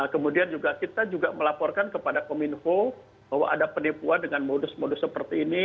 kemudian kita juga melaporkan kepada kominfo bahwa ada penipuan dengan modus modus seperti ini